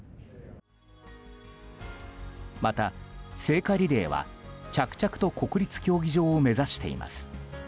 また聖火リレーは着々と国立競技場を目指しています。